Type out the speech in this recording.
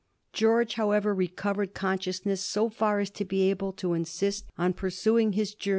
George, however, recovered consciousness so far as to be able to insist on pursuing his journey.